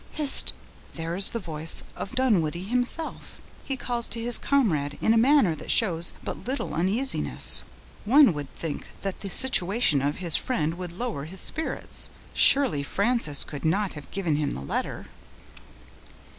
Hist! there is the voice of Dunwoodie himself; he calls to his comrade in a manner that shows but little uneasiness. One would think that the situation of his friend would lower his spirits; surely Frances could not have given him the letter."